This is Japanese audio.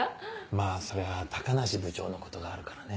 まぁそりゃ高梨部長のことがあるからね。